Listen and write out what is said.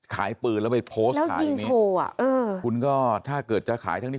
ขายปืนแล้วไปโพสต์ขายอย่างนี้คุณก็ถ้าเกิดจะขายทั้งนี้